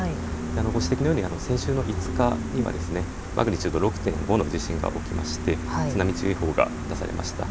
ご指摘のように先週５日にはマグニチュード６．５の地震が起きまして津波注意報が出されました。